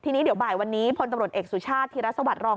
ทีนี้เดี๋ยวบ่ายวันนี้พลตำรวจเอกสุชาติธิรสวัสดิรอง